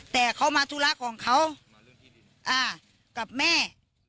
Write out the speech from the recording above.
แต่เขามาธุระของเขากับแม่